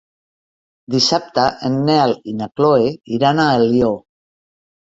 Dissabte en Nel i na Chloé iran a Alió.